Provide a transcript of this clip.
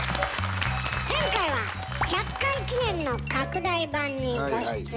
前回は１００回記念の拡大版にご出演。